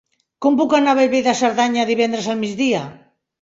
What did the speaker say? Com puc anar a Bellver de Cerdanya divendres al migdia?